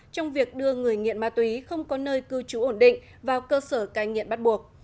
trong việc đưa người nghiện ma túy không có nơi cư trú ổn định vào cơ sở cai nghiện bắt buộc